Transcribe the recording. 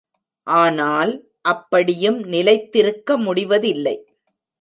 ஆனால், அப்படியும் நிலைத்திருக்க முடிவதில்லை.